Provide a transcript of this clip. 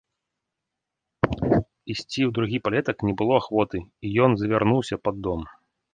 Ісці ў другі палетак не было ахвоты, і ён завярнуўся пад дом.